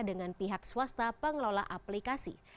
dengan pihak swasta pengelola aplikasi